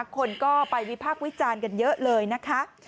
คนก็ไปวิพากษ์วิจารณ์กันเยอะเลยนะคะ